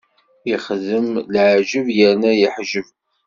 Ixdem leεǧeb yerna yeḥǧeb.